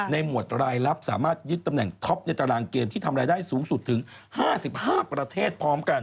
หมวดรายลับสามารถยึดตำแหน่งท็อปในตารางเกมที่ทำรายได้สูงสุดถึง๕๕ประเทศพร้อมกัน